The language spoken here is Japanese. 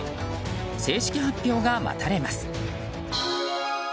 正式発表が待たれます。